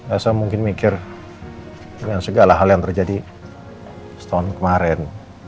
saya mungkin mikir dengan segala hal yang terjadi setahun kemarin